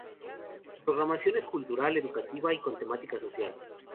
Su programación es cultural, educativa y con temática social.